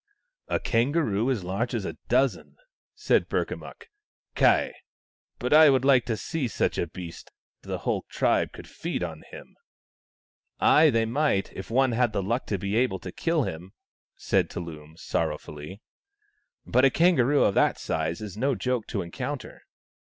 " A kangaroo as large as a dozen !" said Burka mukk. " Ky ! but I would like to see such a beast The whole tribe could feed on him." " Ay, they might, if one had the luck to be able to kill him," said Tullum sorrowfully. " But a THE STONE AXE OF BURKAMUKK 15 kangaroo of that size is no joke to encounter."